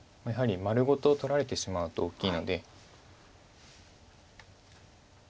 やはり丸ごと取られてしまうと大きいので。